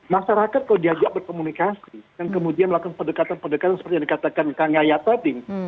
masyarakat kalau diajak berkomunikasi dan kemudian melakukan pendekatan pendekatan seperti yang dikatakan kang yaya tadi